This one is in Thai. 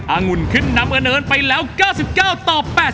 องุ่นขึ้นนำอเนินไปแล้ว๙๙ต่อ๘๐